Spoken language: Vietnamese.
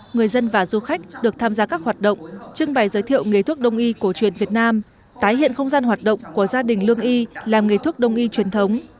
người dân và du khách được tham gia các hoạt động trưng bày giới thiệu nghề thuốc đông y cổ truyền việt nam tái hiện không gian hoạt động của gia đình lương y làm nghề thuốc đông y truyền thống